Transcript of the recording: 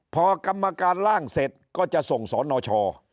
พอกรรมการล่างเสร็จก็จะส่งสนช